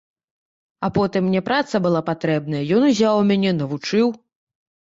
А потым мне праца была патрэбная, ён узяў мяне, навучыў.